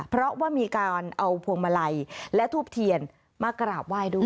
เพราะว่ามีการเอาพวงมาลัยและทูบเทียนมากราบไหว้ด้วย